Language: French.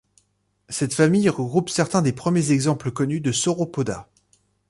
Cette famille regroupe certains des premiers exemples connus de Sauropoda.